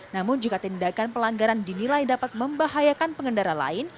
namun jika tindakan pelanggaran dinilai dapat membahayakan pengendara lain